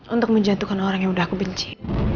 untuk menjatuhkan orang yang sudah aku benci